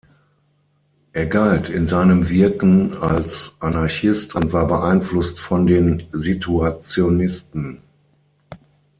Er galt in seinem Wirken als Anarchist und war beeinflusst von den Situationisten.